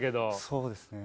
そうですね。